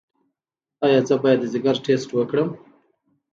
ایا زه باید د ځیګر ټسټ وکړم؟